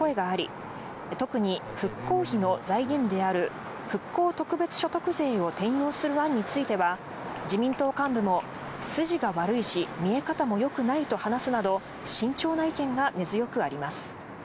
一方で自民党内には増税自体に反対する声があり、特に復興費の財源である復興特別所得税を転用する案については、自民党幹部も筋が悪いし、見え方も良くないと話すなど、慎重な意見が根強くあります。